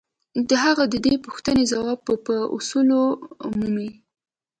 د هغه د دې پوښتنې ځواب به په اصولو کې ومومئ.